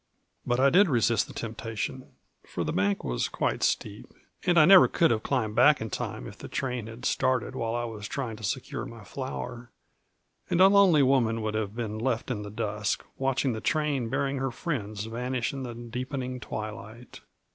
But I did resist the temptation; for the bank was quite steep, and I never could have climbed back in time if the train had started while I was trying to secure my flower; and a lonely woman would have been left in the dusk, watching the train bearing her friends vanish in the deepening twilight.